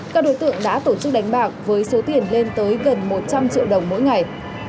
các đối tượng đã tổ chức đánh bạc với số tiền lên tới gần một trăm linh triệu đồng mỗi ngày